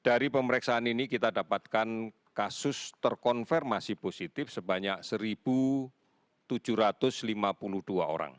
dari pemeriksaan ini kita dapatkan kasus terkonfirmasi positif sebanyak satu tujuh ratus lima puluh dua orang